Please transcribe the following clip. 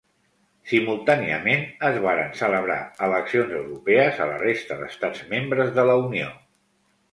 Simultàniament, es varen celebrar eleccions europees a la resta d'estats membres de la Unió.